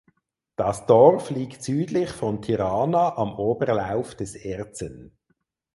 Das Dorf liegt südlich von Tirana am Oberlauf des Erzen.